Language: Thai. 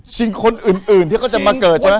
คนอื่นที่เขาจะมาเกิดใช่ไหม